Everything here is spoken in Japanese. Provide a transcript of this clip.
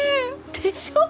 でしょ？